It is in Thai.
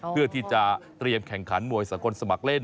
เพื่อที่จะเตรียมแข่งขันมวยสากลสมัครเล่น